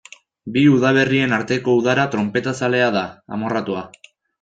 Bi udaberrien arteko udara tronpetazalea da, amorratua.